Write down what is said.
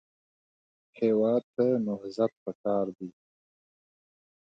هېواد ته نهضت پکار دی